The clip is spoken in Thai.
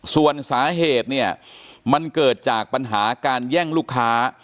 ส่วนสาเหตุเนี่ยมันเกิดจากปัญหาการแย่งลูกค้า